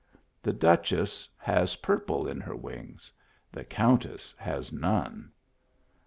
The Duchess has purple in her wings; the Countess has none."